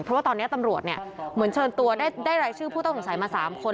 เพราะว่าตอนนี้ตำรวจเนี่ยเหมือนเชิญตัวได้รายชื่อผู้ต้องสงสัยมา๓คน